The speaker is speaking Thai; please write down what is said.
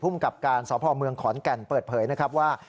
กับการสพเมืองขอนแก่นเปิดเผยนะครับว่า